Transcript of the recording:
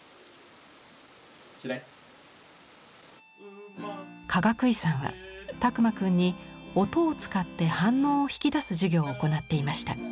嫌い？かがくいさんは拓万くんに音を使って反応を引き出す授業を行っていました。